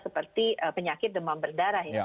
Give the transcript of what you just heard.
seperti penyakit demam berdarah